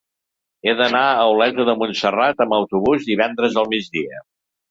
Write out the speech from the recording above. He d'anar a Olesa de Montserrat amb autobús divendres al migdia.